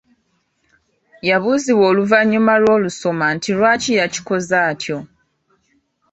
Yabuuzibwa oluvannyuma lw’olusoma nti lwaki yakikoze atyo.